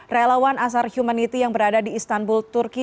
relawan asar humanity yang berada di istanbul turki